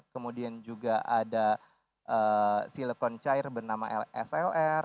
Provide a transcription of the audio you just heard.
kemudian juga ada silikon cair bernama slr